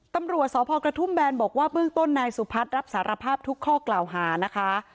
ตำรวจสพกระทุ่มแบนบอกว่าเบื้องต้นนายสุพัฒน์รับสารภาพทุกข้อกล่าวหานะคะ